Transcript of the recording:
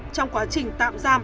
trong quá trình tạm giam